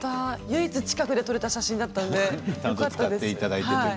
唯一、近くで撮れた写真だったのでよかったです。